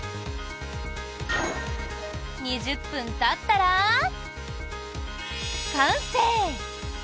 ２０分たったら完成。